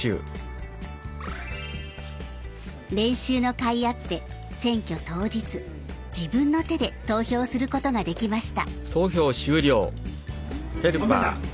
練習のかいあって選挙当日自分の手で投票することができました。